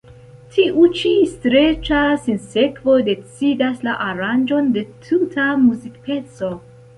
Tiu ĉi streĉa sinsekvo decidas la aranĝon de tuta muzikpeco.